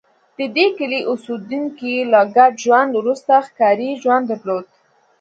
د دې کلي اوسېدونکي له ګډ ژوند وروسته ښکاري ژوند درلود